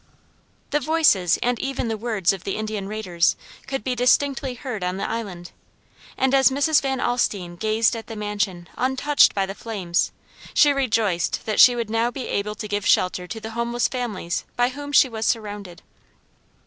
The voices and even the words of the Indian raiders could be distinctly heard on the island, and as Mrs. Van Alstine gazed at the mansion untouched by the flames she rejoiced that she would now be able to give shelter to the homeless families by whom she was surrounded.